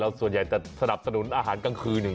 ส่วนใหญ่จะสนับสนุนอาหารกลางคืน